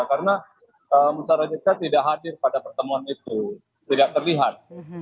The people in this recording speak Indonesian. karena musa rajeksa tidak hadir pada pertemuan itu tidak terlihat